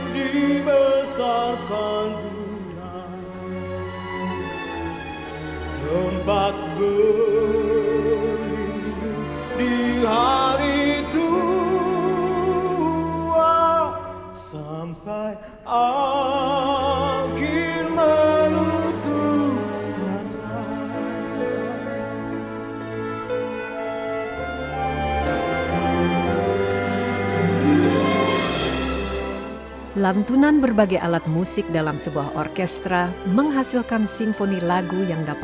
dibuai dibesarkan muda